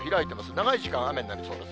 長い時間、雨になりそうです。